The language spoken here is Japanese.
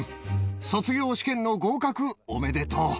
卒業試験の合格おめでとう。